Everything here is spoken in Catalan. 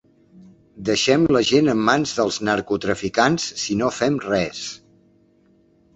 Deixem la gent en mans dels narcotraficants si no fem res.